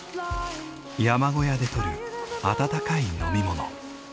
山小屋でとる温かい飲み物。